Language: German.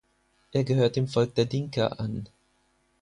Er gehört dem Volk der Dinka an.